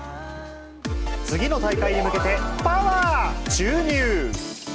次の大会へ向けてパワー注入！